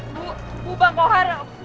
bu bu bangkohan